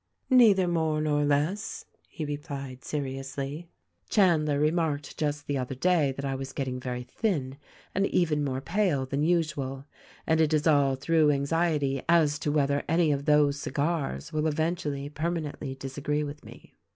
" 'Neither more nor less,' he replied seriously. 'Giandler remarked just the other day that I was getting very thin and even more pale than usual ; and it is all through anxiety as to whether any of those cigars will eventually permanently dis agree with me.'